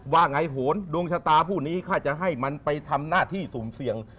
ว่าไงโหนดวงชะตาผู้นี้ข้าจะให้มันไปทำหน้าที่สุ่มเสี่ยง